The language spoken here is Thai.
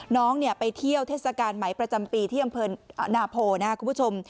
น้องไปเที่ยวเทศกาลไหมประจำปีที่อำเภอนาโพนะครับคุณผู้ชม